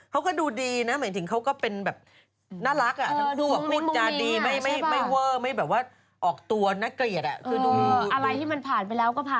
เขาก็ดูดีนะหมายถึงเขาก็เป็นน่ารักอ่ะ